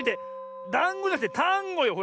「だんご」じゃなくて「たんご」よ！ほら。